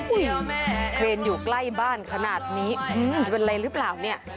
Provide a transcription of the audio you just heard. เครนอยู่ใกล้บ้านขนาดนี้จะเป็นอะไรหรือเปล่าเนี่ย